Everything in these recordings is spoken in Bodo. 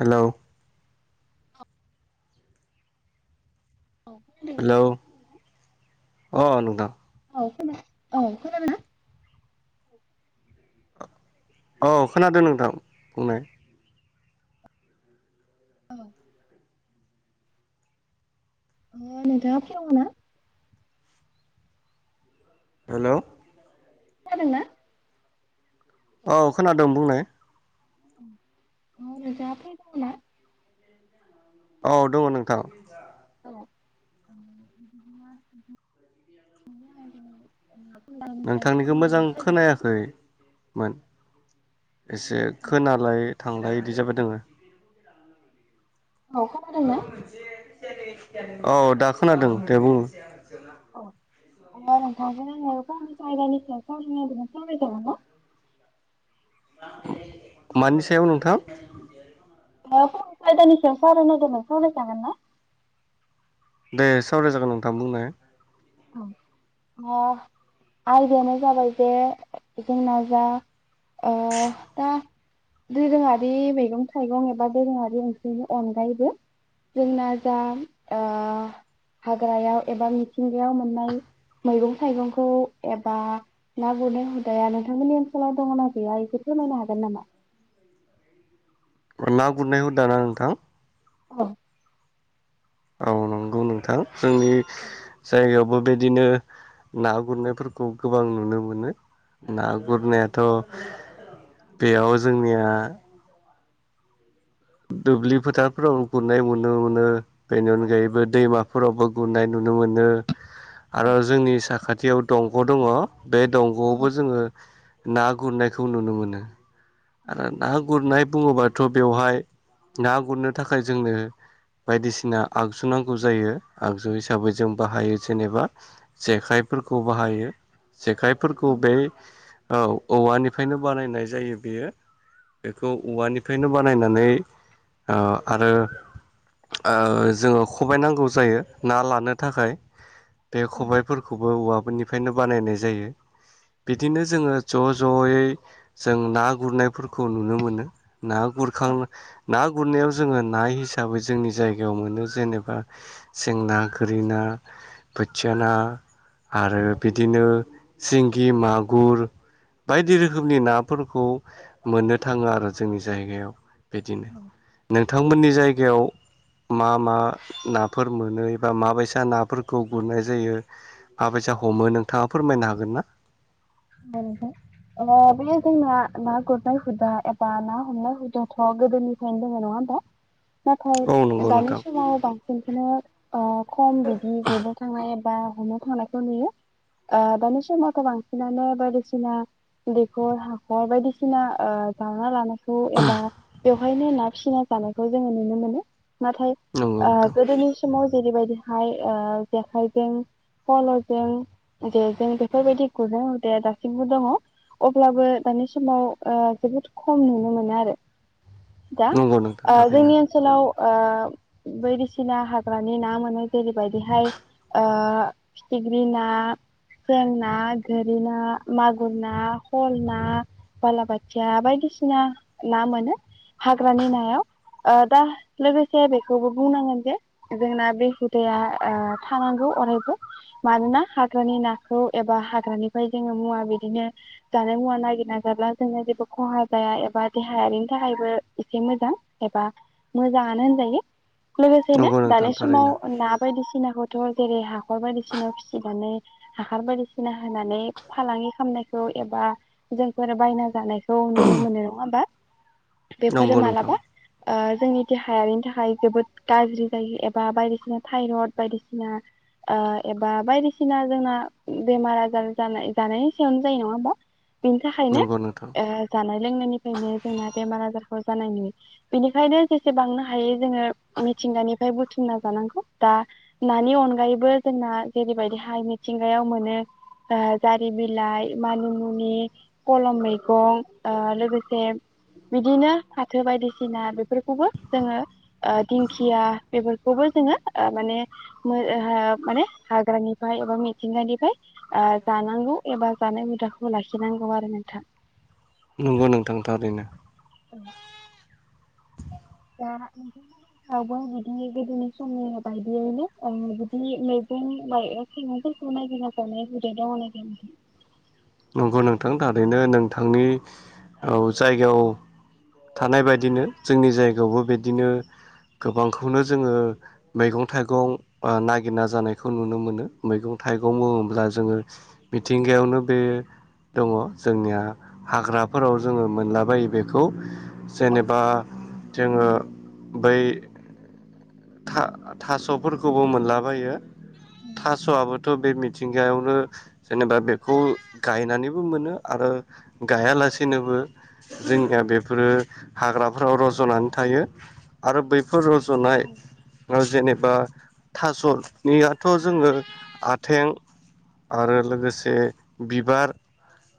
हेल' औ खोनादों हेलौ अ नोंथां औ खोनादों औ खोनादोंना औ खोनादों नोंथां बुंनाय औ ओ अ नोंथांआ फ्रि दं ना हेल' खोनादोंना औ खोनादों बुंनाय अ नोंथाङा फ्रि दङना औ दङ नोंथां बिदिब्ला उम नोंथांनिखौ मोजां खोनायाखैमोन एसे खोनालाय थांलाय बिदि जाबाय दोङो औ खोनादोंना औ दा खोनादों दे बुङो औ अ नोंथांजों आङो फंनैसो आयदानि सायाव सावरायनो सानदोंमोन सावराय जागोनना मानि सायाव नोंथां फुन खायदानिसायाव सावराय नागिरदोंमोन सावरायजागोन ना दे सावराय जागोन नोंथां बुंनाय औ आ आयदायानो जाबाय जे जोंना जा ओ दा दोरोङारि मैगं थाइगं एबा दोरोङारि ओंख्रिनि अनगायैबो जोंना जा हाग्रायाव एबा मिथिंगायाव मोननाय मैगं थाइगंखौ एबा ना गुरनाय हुदाया नोंथांमोननि ओनसोलाव दङना गैया इफोर फोरमायनो हागोन नामा ना गुरनाय हुदाना नोंथां औ औ नंगौ नोंथां जोंनि जायगायावबो बेदिनो ना गुरनायफोरखौ गोबां नुनो मोनो ना गुरनायाथ' बेयाव जोंनिया दुब्लि फोथारफोराव गुरनाय नुनो मोनो बेनि अनगायैबो दैमाफोरावबो गुरनाय नुनो नुनो मोनो औ आरो जोंनि साखाथियाव दंग' दङ बे औ दंग'आवबो जोङो ना गुरनायखौ नुनो मोनो आरो ना गुरनाय बुङोबाथ' बेवहाय ना गुरनो थाखाय जोंनो बायदिसिना आगजु नांगौ जायो। आगजु हिसाबै जों बाहायो जेनेबा जेखाइ फोरखौ बाहायो। जेखाइफोरखौ औ बे औवानिफ्रायनो बानायनाय जायो बेयो। बेखौ औवानिफ्रायनो बानायनानै आरो जोङो खबाय नांगौ जायो ना लानो थाखाय। बे औ खबाइफोरखौबो औवाफोरनि निनो बानायनाय जायो। बिदिनो जोङो ज'-ज'यै जों ना गुरनाय फोरखौ नुनो मोनो। ना गुरखां ना गुरनायाव जोङो नाय हिसाबै जोंनि जायगायाव मोनो जेनेबा सेंना, गोरिना बोथिया ना आरो बिदिनो सिंगि, मागुर बायदि रोखोमनि नाफोरखौ मोननो थाङो आरो जोंनि जायगायाव बिदिनो। नोंथांमोननि जायगायाव मा मा नाफोर मोनो एबा माबायसा नाफोरखौ गुरनाय जायो माबायसा हमो नोंथाङा फोरमायनो हागोन ना? बा नोंथां। ओ बे जोंना ना गुरनाय हुदा एबा ना हमनाय हुदाथ' गोदोनिफ्रायनो दङ नङाहोमबा। दा औ नाथाय नंगौ दानि नोंथां समाव बांसिनखौनो खम बिदि गुरनो थांनाय बा हमनो थांनायखौ नुयो। दानि समावथ' बां सिनानो बायदिसिना दैखर हाखर बायदिसिना जावना लानाय एबा बेवहायनो ना फिसिना जानायखौ जोङो नुनो मोनो। नाथाय नंगौ नोंथां गोदोनि समाव जेरैबायदिहाय जेखाइजों, फल'जों, जेजों बेफोरबायदि नुबोदों बे दासिमबो दंङ। अब्लाबो दानि समाव जोबोद खम नुनो मोनो आरो। दा नंगौ नोंथां थारैनो जोंनि ओनसोलाव बायदिसिना हाग्रानि ना मोनो जेरैबायदिहाय ओ फिथिग्रि ना, सेेंना, गोरि ना, मागुर ना, स'ल ना, बालाबाथिया बायदिसिना ना मोनो हाग्रानि नायाव। ओ दा लोगोसे बेखौबो बुंनांगोन जे जोंना बे हुदाया थानांगौ अरायबो मानोना हाग्रानि नाखौ एबा हाग्रानिफ्राय जोङो मुवा बिदिनो जानाय मुवा नागिरना जाब्ला जोङो जेबो खहा जाया एबा देहा यारिनि थाखायबो एसे मोजां एबा मोजाङनो होनजायो नंगौ लोगोसेनो नोंथां दानि समाव थारैनो ना बायदिसिनाखौ थ' जेरै हाखर बायदिसिना फिसिनानै हाखार बायदिसिना होनानै फालांगि खालामनायखौ एबा जोंफोर बायना जानाय खौ नुनो मोनो नङा होमबा। बेफोरो नंगौ नोंथां मालाबा जोंनि देहायारिनि थाखाय जोबोद गाज्रि जायो एबा बायदिसिना थायरड बायदिसिना एबा बायदिसिना जोंना बेमारा जा- जानाय जानायनि सायावनो जायो नङा होमबा? बिनि थाखायनो नंगौ नोंथां ओह जानाय लोंनायनिफ्रायनो जोंना बेमार-आजार जानाय नुयो। बेनिखायनो जेसे बांनो हायो जोङो मिथिंगानिफ्राय बुथुमनाजानांगौ दा ना- नानि अनगायैबो जोंना जेरैबायदिहाय मिथिंगायाव मोनो जारि बिलाइ मानिमुनि खलम मैगं लोगोसे बिदिनो फाथो बायदिसिना बेफोरखौबो जोङो दिंखिया बेफोरखौबो जोङो माने माने हाग्रानिफ्राय एबा मिथिंगानिफ्राय ओ जानांगौ एबा जानाय हुदाखौ लाखिनांगौ आरो नोंथां । नंगौ नोंथां थारैनो । औ दा दावबो बिदि गोदोनि सम बायदियैनो बिदि मैगं माइ संनाय जायो [unintelligible] नंगौ नोंथां थारैनो नोंथांनि औ जायगायाव थानाय बायदिनो जोंनि जायगायावबो बिदिनो गोबांखौनो जोङो मैगं-थाइगं आ नागिरना जानायखौ नुनो मोनो । मैगं-थाइगं बुङोब्ला जोङो मिथिंगायावनो बे दङ जोंनिया हाग्राफोराव जोङो मोनलाबायो बेखौ औ जेनेबा आ जोङो बै था थास'फोरखौबो मोनलाबायो थास'आबो थ' बे मिथिंगायावनो जेनेबा बेखौ गायनानैबो मोनो आरो गाया ला लासेनोबो जोंनिया बेफोरो हाग्राफोराव रज'नानै थायो आरो बैफोर रज' जनाय औ जेनेबा थास'नियाथ' जोङो आथें आरो लोगोसे बिबार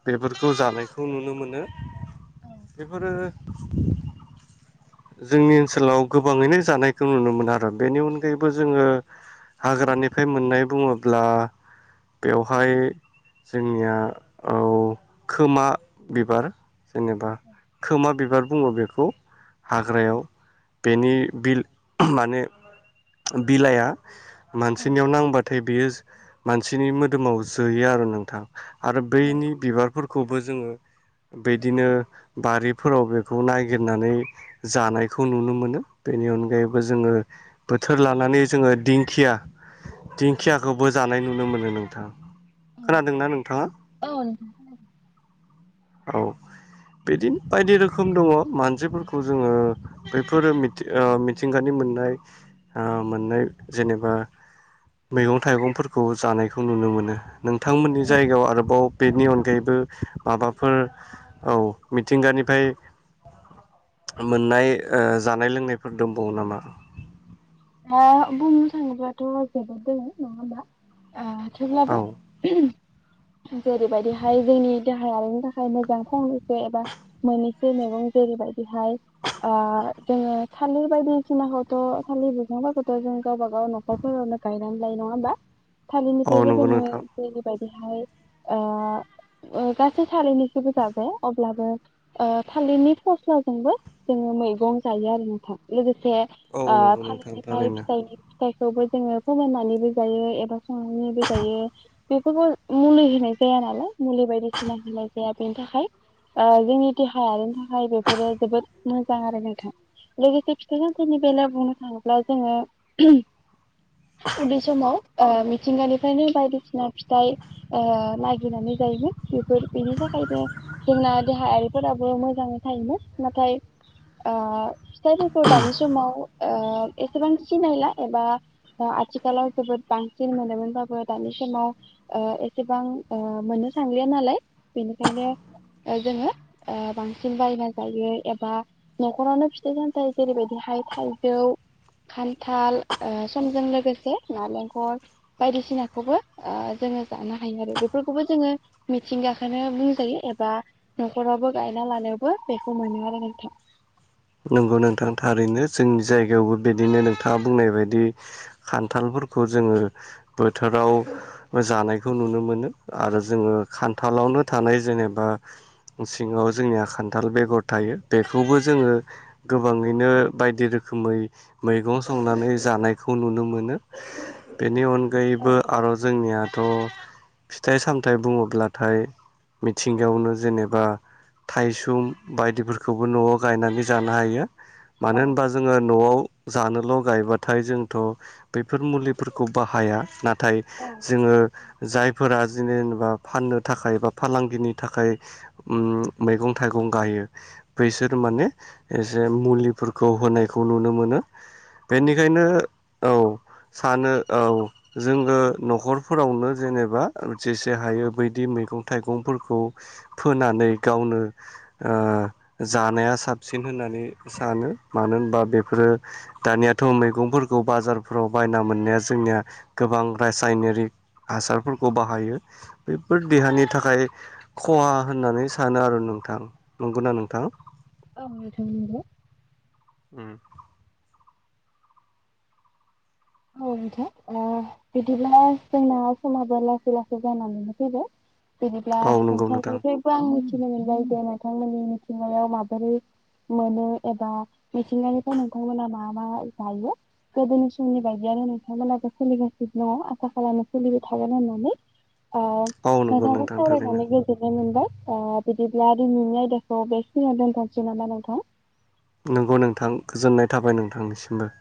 बेफोरखौ जानायखौ नुनो मोनो । बेफोरो जोंनि ओनसोलाव गोबाङैनो जानायखौ नुनो मोनो आरो बेनि अनगायैबो जोङो हाग्रानिफ्राय मोननाय बुङोब्ला बेवहाय जोंनिया औ खोमा बिबार जेनेबा खोमा बिबार बुङो बेखौ हाग्रायाव बेनि बिल माने बिलाइआ मानसिनियाव नांबाथाय बियो मानसिनि मोदोमाव जोयो आरो नोंथां । आरो बैनि बिबारफोरखौ बो जोङो बिदिनो बारिफोराव बेखौ नागिरनानै जानायखौ नुनो मोनो बेनि अनगायैबो जोङो बोथोर लानानै जोङो दिंखिया दिंखियाखौबो जानाय नुनो मोनो नोंथां । खोनादोंना नोंथाङा? औ नोंथां औ बिदिनो बायदि रोखोम दङ मानसिफोरखौ जोङो बैफोरो मिथि ओ मिथिंगानि मोननाय ओ मोननाय जेनेबा मैगं-थाइगंफोरखौ जानायखौ नुनो मोनो नोंथांमोननि जायगायाव आरोबाव बेनि अनगायैबो माबाफोर औ मिथिंगानिफाय मोननाय ओ जानाय लोंनायफोर दंबावो नामा? ओ बुंनो थाङोब्लाथ' जोबोद दोङो नङा ओमबा ओ थेवब्लाबो औ जेरैबायदिहाय जोंनि देहायारिनि थाखाय मोजां [unintelligible] जो एबा मोनि जे मैगं जेरैबायदिहाय आ जोङो थालिर बायदिसिनाखौथ' थालिर [unintelligible] जों गावबा गाव न'खरफोरावनो गायनानै लायो नङा होमबा? औ थालिरनिफ्रायबो नंगौ जोङो नोंथां जेरैबायदिहाय ओ ओ गासै थालिरनिखोबो जाजाया बे अब्लाबो ओ थालिरनि फस्लाजोंबो जोङो मैगं जायो आरो नोंथां लोगो से औ ओ नंगौ नोंथां थालिरनिफ्राय थारैनो फिथाइनि फिथाइखौबो जोङो फोमोननानैबो जायो एबा संनानैबो जायो बेफोरखौ मुलि होनाय जाया नालाय मुलि बायदिसिना होनाय जाया । बेनि थाखाय ओ जोंनि देहायारिनि थाखाय बेफोरो जोबोद मोजां आरो नोंथां । [unintelligible] फिथाइफोरनि बेलायाव बुंनो थाङो ब्ला जोङो उदै समाव ओ मिथिंगानिफ्रायनो बायदिसिना फिथाइ ओ नागिरनानै गायोमोन बेफोर बेनि थाखा फोरो जोंना देहायारिफोराबो मोजाङै थायोमोन नाथाय ओ फिथाइफोरखौ दानि समाव ओ एसेबां सिनायला एबा ओ आथिखालाव जोबोद बांसिन मोनोमोनबाबो दानि समाव ओ एसेबां ओ मोननो थांलिया नालाय बेनिखायनो ओ जोङो ओ बांसिन बायना जायो एबा न'खरावनो फिथाइ सामथाइ जेरैबायदि हाइ थाइजौ खान्थाल ओ समजों लोगोसे नालेंखर बायदिसिनाखौबो ओ जों जोंङो जानो हायो आरो बेफोरखौबो जोङो मिथिंगाखौनो बुंजायो एबा न'खरावबो गायना। लानायावबो बेखौ मोनो आरो नोंथां। नंगौ नोंथां थारैनो जोंनि जायगायावबो बिदिनो नोंथाङा बुंनाय बायदि खान्थालफोर । खौ जोङो बोथोराव जानायखौ नुनो मोनो आरो जोङो खान्थालाव। आवनो थानाय जेनेबा सिंङाव जोंनिया खान्थाल बेगर थायो बेखौबो जोङो गोबाङैनो बायदि रोखोमै मैगं संनानै जानायखौ नुनो मोनो। बेनि औ अनगायैबो आरो जोंनियाथ' । फिथाइ सामथायाइ बुंङोब्लाथाय मिथिंगायावनो जेनेबा। थायसुम बायदिफोरखौबो न'आव गायनानै। जानो हायो मानो औ होनबा जोङो न'आव। जानोल' गायबाथाय जोंथ' बेफोर मुलिफोरखौ बाहाया नाथ नाथाय औ जोङो जायफोरा। बिदिनो जेनेबा फाननो थाखाय बा फालांगिनि थाखाय उम मैगं थाइगं गायो। बैसोर माने। एसे मुलिफोरखौ होनायखौ नुनो मोनो औ बेनिखायनो औ [inaudible] सानो औ जोङो न'खरफोरावनो जेनेबा जेसे हायो बैदि मैंगं थाइगंफोरखौ फोनानै गावनो ओ जानाया साबसिन होननानै सानो मानो होनबा बेफोरो दानियाथ' मैगंफोरखौ बाजारफोराव। बायना मोननाया जोंनिया गोबां रासायनारिक। हासारफोरखौ बाहायो बेफोर देहानि थाखाय खहा होननानै सानो आरो नो। नोंथां नंगौना नोंथां? अ नोंथां नंगौ। उम औ नोंथां ओ बिदिब्ला जोंना समाबो लासै लासै जानानैनो फैबाय। बिदिब्ला औ नंगौ नोंथां नोंथांनिफ्रायबो आं थिनो मोनबाय जे नोंथांमोननि मिथिंगायाव माबोरै मोनो एबा। मिथिंगानिफ्राय नोंथांमोना मा मा जायो गोदोनि समनि । बायदियानो नोंथांमोनाबो सोलिगासिनो दङ आसा खालामो सोलिबाय थागोन होननानै। ओ औ नंगौ नोंथांजों नोंथां थारैनो। सावरायनानै गोजोननाय मोनबाय। ओ बिदिब्ला दिनैनि आयदाखौ बेखिनियावनो दोनथनोसै नामा नोंथां? नंगौ नोंथां गोजोननाय थाबाय नोंथांनिसिमबो।